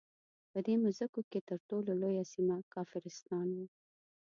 په دې مځکو کې تر ټولو لویه سیمه کافرستان وو.